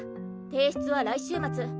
提出は来週末。